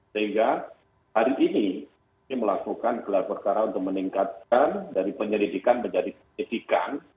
sehingga hari ini melakukan gelar perkara untuk meningkatkan dari penyelidikan menjadi penyelidikan